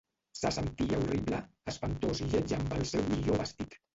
Se sentia horrible, espantós i lleig amb el seu millor vestit.